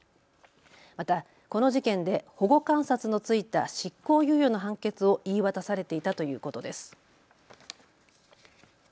またこの事件で保護観察の付いた執行猶予の判決を言い渡されていたということです。